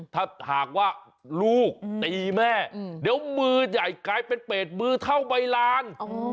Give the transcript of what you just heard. ถ้าหากว่าลูกตีแม่เดี๋ยวมือใหญ่กลายเป็นเปรตมือเท่าใบลาน